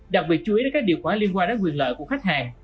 đặc biệt chú ý đến các điều khoản liên quan đến quyền lợi của khách hàng